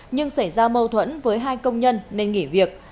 nhưng xảy ra mâu thuẫn với hai công nhân nên nghỉ việc